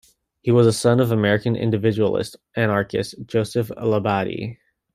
He was the son of American individualist anarchist Joseph Labadie.